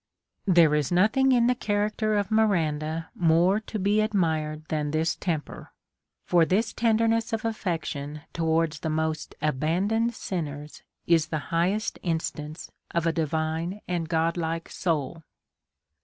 ^ There is nothing in the character of Miranda more to be admired than this temper. For this tenderness of affection towards tlie most abandoned sinners is the highest instance of a divine and godlike soul.